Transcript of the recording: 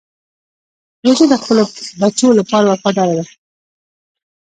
وزې د خپلو بچو لپاره وفاداره ده